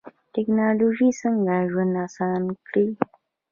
ټکنالوژي څنګه ژوند اسانه کړی؟